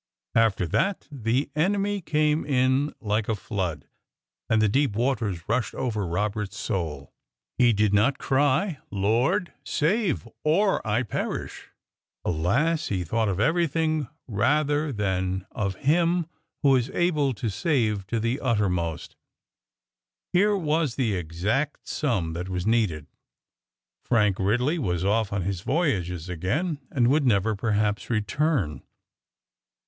After that the enemy came in like a flood, and the deep waters rushed over Robert's soul. He did not cry, "Lord, save, or I perish!" Alas! he thought of everything rather than of Him who is able to save to the uttermost. Here was the exact sum that was needed. Frank Ridley was off on his voyages again, and would never, perhaps, return.